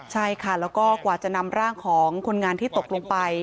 ใช่ค่ะแล้วก็กว่าจะนำร่างของคนงานที่ตกลงไป